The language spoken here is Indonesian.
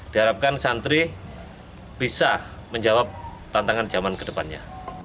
diharapkan santri bisa menjawab tantangan zaman ke depannya